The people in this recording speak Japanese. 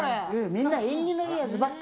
みんな、縁起のいいやつばっか。